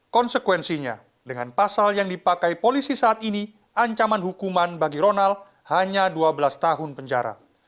konsekuensinya dengan pasal yang dipakai polisi saat ini ancaman hukuman bagi ronald hanya dua belas tahun penjara